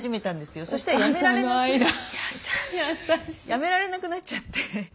やめられなくなっちゃって。